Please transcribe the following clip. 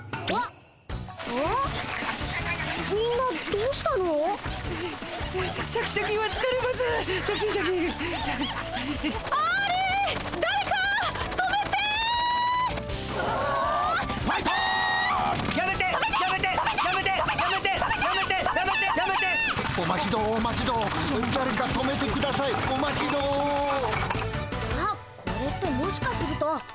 あっこれってもしかすると。